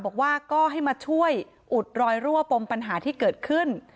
บอกว่าก็ให้มาช่วยอุดรอยรั่วปมปัญหาที่เกิดขึ้น